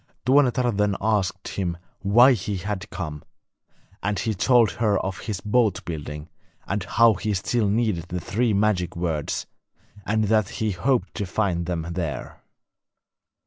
Tuonetar then asked him why he had come, and he told her of his boat building, and how he still needed the three magic words, and that he hoped to find them there.